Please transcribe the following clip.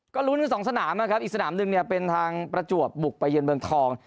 ก็ลุ้นกันสองสนามนะครับอีกสนามหนึ่งเนี่ยเป็นทางประจวบบุกไปเยือนเมืองทอง